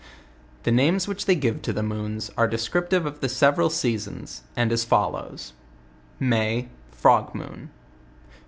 The names which they give to the moons, are descriptire of the several seasons, and as follows: May . Frog Moon.